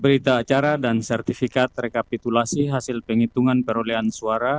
berita acara dan sertifikat rekapitulasi hasil penghitungan perolehan suara